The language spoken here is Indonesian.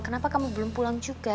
kenapa kamu belum pulang juga